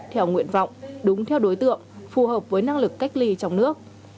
theo nguyện vọng đúng theo đối tượng phù hợp với năng lực cách ly trong nước